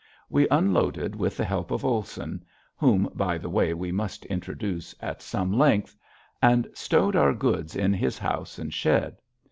We unloaded with the help of Olson whom by the way we must introduce at some length and stowed our goods in his house and shed.